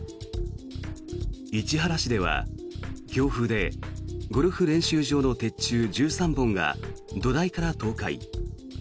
市原市では強風でゴルフ練習場の鉄柱１３本が土台から倒壊。